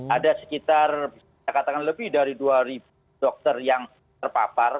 ada sekitar bisa katakan lebih dari dua ribu dokter yang terpapar